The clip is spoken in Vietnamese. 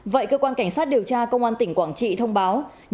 vậy cơ quan cảnh sát điều tra công an tỉnh quảng trị thông báo